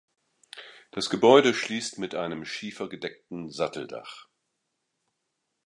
Das Gebäude schließt mit einem schiefergedeckten Satteldach.